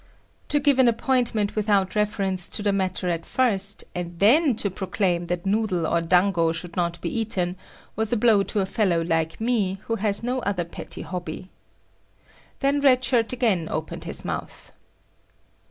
To give an appointment without reference to the matter at first, and then to proclaim that noodle or dango should not be eaten was a blow to a fellow like me who has no other petty hobby. Then Red Shirt again opened his mouth.